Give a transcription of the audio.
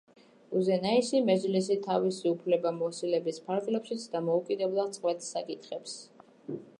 უზენაესი მეჯლისი თავისი უფლებამოსილების ფარგლებში დამოუკიდებლად წყვეტს საკითხებს.